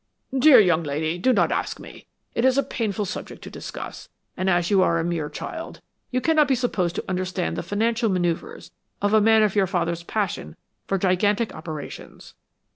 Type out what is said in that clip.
"Dear young lady, do not ask me. It is a painful subject to discuss, and as you are a mere child, you cannot be supposed to understand the financial manoeuvres of a man of your father's passion for gigantic operations.